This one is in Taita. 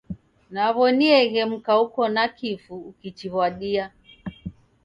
Naw'onieghe mka uko na kifu ukichiw'adia.